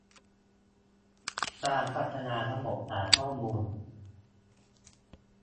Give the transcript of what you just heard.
การพัฒนาระบบฐานข้อมูล